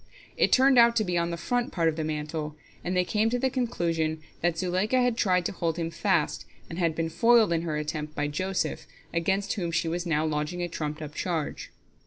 It turned out to be on the front part of the mantle, and they came to the conclusion that Zuleika had tried to hold him fast, and had been foiled in her attempt by Joseph, against whom she was now lodging a trumped up charge.